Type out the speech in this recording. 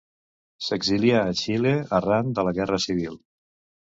S'exilià a Xile arran de la Guerra Civil.